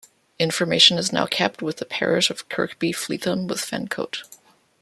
Information is now kept with the parish of Kirkby Fleetham with Fencote.